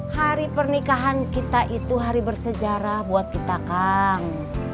hari pernikahan kita itu hari bersejarah buat kita kang